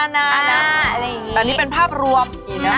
อันนี้เป็นภาพรวมอีกเนี่ยผม